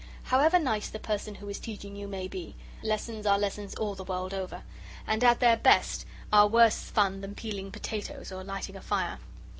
However nice the person who is teaching you may be, lessons are lessons all the world over, and at their best are worse fun than peeling potatoes or lighting a fire.